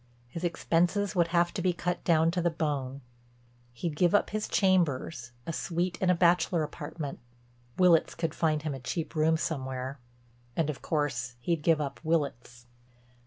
His expenses would have to be cut down to the bone. He'd give up his chambers, a suite in a bachelor apartment—Willitts could find him a cheap room somewhere—and of course he'd give up Willitts.